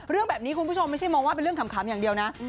เรื่องแบบนี้คุณผู้ชมไม่ใช่มองว่าเป็นเรื่องขำอย่างเดียวนะ